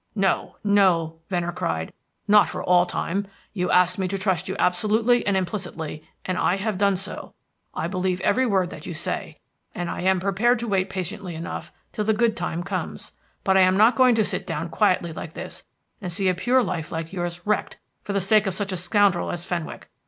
"No, no," Venner cried; "not for all time. You asked me to trust you absolutely and implicitly, and I have done so. I believe every word that you say, and I am prepared to wait patiently enough till the good time comes. But I am not going to sit down quietly like this and see a pure life like yours wrecked for the sake of such a scoundrel as Fenwick.